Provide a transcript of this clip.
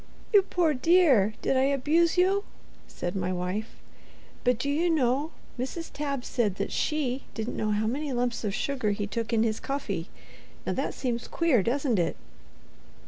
"You poor dear, did I abuse you?" said my wife. "But, do you know, Mrs. Tabb said that she didn't know how many lumps of sugar he took in his coffee. Now that seems queer, doesn't it?"